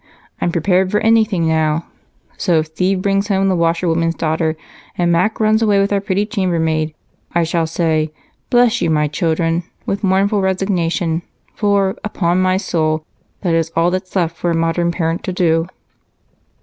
I'm prepared for anything now so if Steve brings home the washerwoman's daughter, and Mac runs away with our pretty chambermaid, I shall say, 'Bless you my children,' with mournful resignation, for, upon my soul, that is all that's left for a modern parent to do."